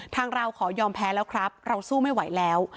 เราขอยอมแพ้แล้วครับเราสู้ไม่ไหวแล้ว